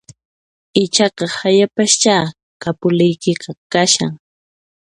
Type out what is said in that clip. Ichaqa hayapaschá kapuliykiqa kashan